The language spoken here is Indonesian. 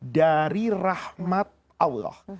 dari rahmat allah